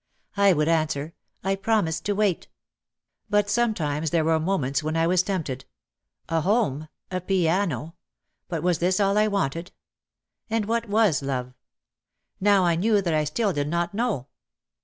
I would answer. "I promised to wait." But sometimes there were moments when I was tempt ed. A home! A piano! But was this all I wanted? And what was love? Now I knew that I still did not know.